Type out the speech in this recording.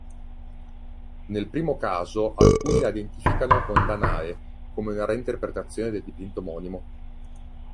Nel primo caso, alcuni la identificano con "Danae", come una reinterpretazione del dipinto omonimo.